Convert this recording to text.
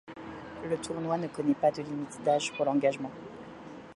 Le tournoi ne connaît pas de limite d'âge pour l'engagement.